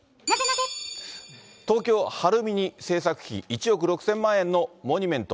東京・晴海に制作費１億６０００万円のモニュメント。